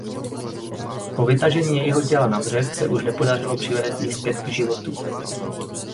Po vytažení jejího těla na břeh se už nepodařilo přivést ji zpět k životu.